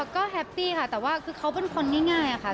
ก็แฮปปี้ค่ะแต่ว่าคือเขาเป็นคนง่ายค่ะ